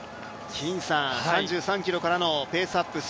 ３３ｋｍからのペースアップス